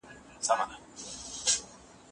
ولي په کابل کي د صنعت لپاره پلان جوړونه مهمه ده؟